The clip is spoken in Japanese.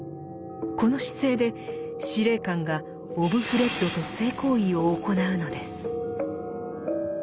この姿勢で司令官がオブフレッドと性行為を行うのです。